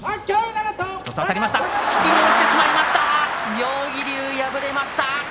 妙義龍、敗れました。